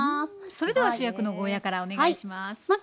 それでは主役のゴーヤーからお願いします。